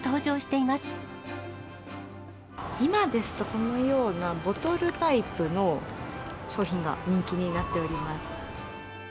今ですとこのようなボトルタイプの商品が人気になっております。